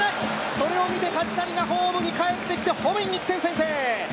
それを見て梶谷がホームに帰ってきてホームイン１点先制！